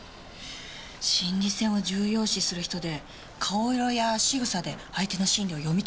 心理戦を重要視する人で顔色やしぐさで相手の心理を読み取ろうとするんだって。